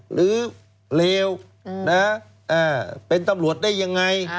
เลวเป็นตำรวจได้ยังไง